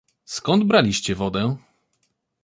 "Skąd braliście wodę?"